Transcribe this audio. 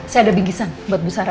saya ada bingkisan buat bu sara